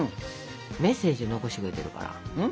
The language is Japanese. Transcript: メッセージ残してくれてるから。